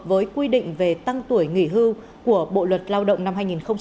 với quy định về tăng tuổi nghỉ hưu của bộ luật lao động năm hai nghìn một mươi năm